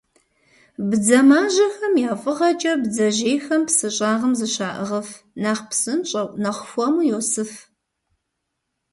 Бдзэмажьэхэм я фӏыгъэкӏэ бдзэжьейхэм псы щӏагъым зыщаӏыгъыф, нэхъ псынщӏэу, нэхъ хуэму йосыф.